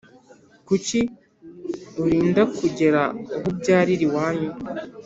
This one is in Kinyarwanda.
Kuki urinda kugera aho ubyarira iwanyu